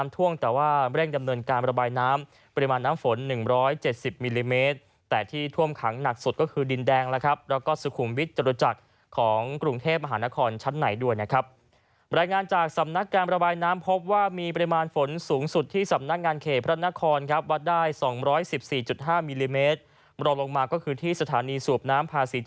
แต่ว่าเร่งดำเนินการระบายน้ำปริมาณน้ำฝนหนึ่งร้อยเจ็ดสิบมิลลิเมตรแต่ที่ท่วมขังหนักสุดก็คือดินแดงแล้วครับแล้วก็สุขุมวิทย์จรุจจักรของกรุงเทพมหานครชั้นไหนด้วยนะครับบรายงานจากสำนักการระบายน้ำพบว่ามีปริมาณฝนสูงสุดที่สำนักงานเขตพระรณครครับวัดได้สองร้อยสิบสี่